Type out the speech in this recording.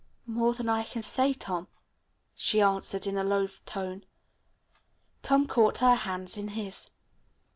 "More than I can say, Tom," she answered in a low tone. Tom caught her hands in his.